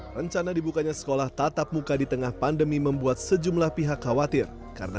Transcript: rencana dibukanya sekolah tatap muka di tengah pandemi membuat sejumlah pihak khawatir karena